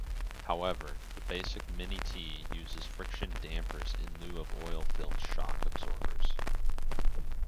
However, the basic Mini-T uses friction dampers in lieu of oil-filled shock absorbers.